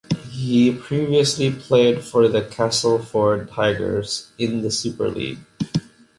He previously played for the Castleford Tigers in the Super League.